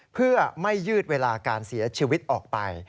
เพื่อไม่ยืดเวลาการเสียชีวิตออกไป